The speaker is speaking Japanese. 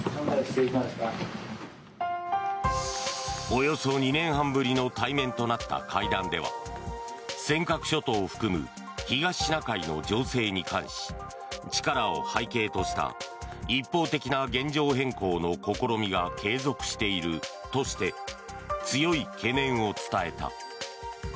およそ２年半ぶりの対面となった会談では尖閣諸島を含む東シナ海の情勢に関し力を背景とした一方的な現状変更の試みが継続しているとして強い懸念を伝えた。